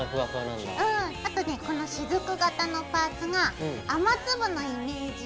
あとねこのしずく形のパーツが雨粒のイメージ。